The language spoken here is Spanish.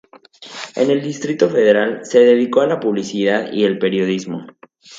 En el Distrito Federal se dedicó a la publicidad y el periodismo.